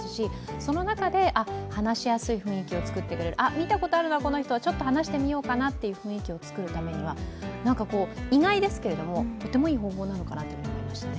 その中で話しやすい雰囲気を作ってくれる、見たことあるな、この人、ちょっと話してみようかなという雰囲気を作るためには意外ですけど、とてもいい方法なのかと思いますね。